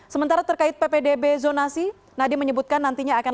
sementara terkait ppdb zonasi nadi menyebutkan nantinya akan lakukan